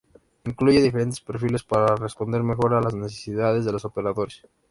Incluye diferentes perfiles para responder mejor a las necesidades de los operadores.